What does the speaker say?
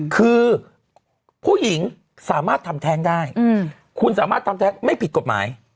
คือผู้หญิงสามารถทำแท้งได้คุณสามารถทำแท้งไม่ผิดกฎหมาย